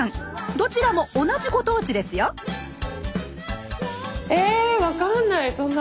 どちらも同じご当地ですよえ分かんないそんな。